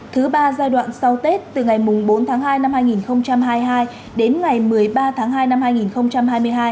thứ ba giai đoạn sau tết từ ngày bốn tháng hai năm hai nghìn hai mươi hai đến ngày một mươi ba tháng hai năm hai nghìn hai mươi hai